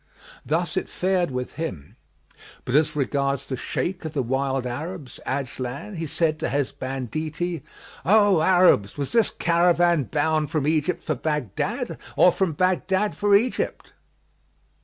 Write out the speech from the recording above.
Thus it fared with him; but as regards the Shaykh of the wild Arabs, Ajlan, he said to his banditti, "O Arabs, was this caravan bound from Egypt for Baghdad or from Baghdad for Egypt?"